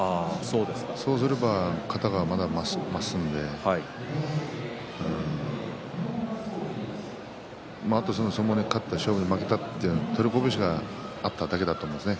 そうすれば型がもっと進んで相撲に勝って勝負に負けたという取りこぼしがあっただけだと思うんですね。